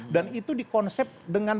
dan itu dikonsep dengan